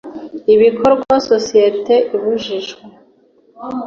ibikorwa sosiyete ibujijwe